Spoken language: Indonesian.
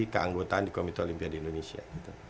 keanggotaan di komite olimpiade indonesia